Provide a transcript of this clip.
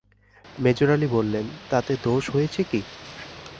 মেজোরানী বললেন, তাতে দোষ হয়েছে কি?